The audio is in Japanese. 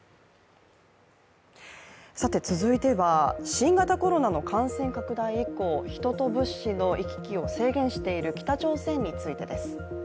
続いては新型コロナの感染拡大以降、人と物資の行き来を制限している北朝鮮についてです。